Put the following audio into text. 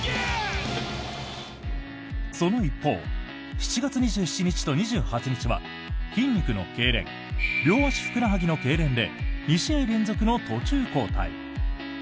その一方、７月２７日と２８日は筋肉のけいれん両足ふくらはぎのけいれんで２試合連続の途中交代。